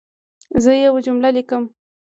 زه یوه جمله لیکم.